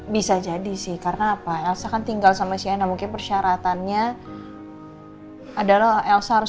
bisa jadi sih karena apa elsa kan tinggal sama siana mungkin persyaratannya adalah elsa harus